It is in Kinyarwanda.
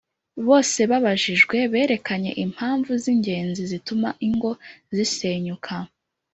bose babajijwe berekanye impamvu z’ingenzi zituma ingo zisenyuka.